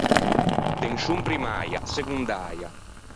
Tenscion primmäia, segondäia.